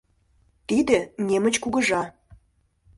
Тиде — немыч кугыжа.